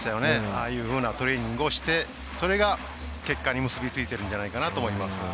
ああいうふうなトレーニングをしてそれが、結果に結びついてるんじゃないかと思います。